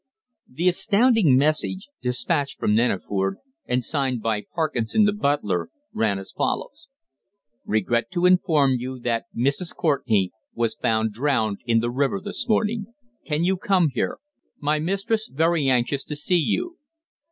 The astounding message, despatched from Neneford and signed by Parkinson, the butler, ran as follows: _"Regret to inform you that Mrs. Courtenay was found drowned in the river this morning. Can you come here? My mistress very anxious to see you."